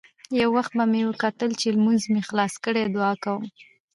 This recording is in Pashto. يو وخت به مې کتل چې لمونځ مې خلاص کړى دعا کوم.